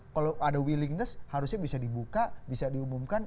kalau ada willingness harusnya bisa dibuka bisa diumumkan